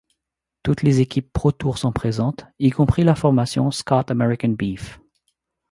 Toutes les équipes ProTour sont présentes, y compris la formation Scott-American Beef.